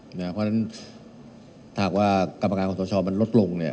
เพราะฉะนั้นหากว่ากรรมการของสชมันลดลง